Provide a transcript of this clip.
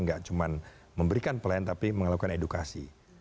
tidak cuma memberikan pelayanan tapi melakukan edukasi